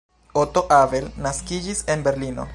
Otto Abel naskiĝis en Berlino.